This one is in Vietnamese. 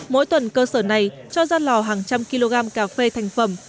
mỗi tuần cơ sở này cho ra lò hàng trăm kg cà phê thành phẩm